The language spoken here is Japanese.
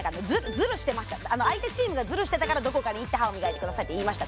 ズルしてました相手チームがズルしてたからどこかにいって歯を磨いてくださいって言いました